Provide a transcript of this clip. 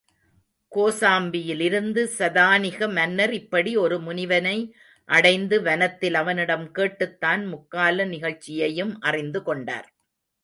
கோசாம்பியிலிருந்து சதானிக மன்னர் இப்படி ஒரு முனிவனை அடைந்து, வனத்தில் அவனிடம் கேட்டுத்தான் முக்கால நிகழ்ச்சிகளையும் அறிந்து கொண்டார்.